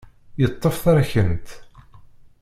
Yeṭṭef tarkent.